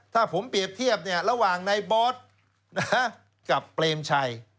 ถ้าผมเปรียบเทียบระหว่างในบอสกับเปรมชัย